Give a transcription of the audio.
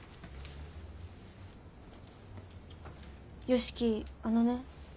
良樹あのね。